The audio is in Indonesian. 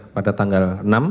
pada tanggal enam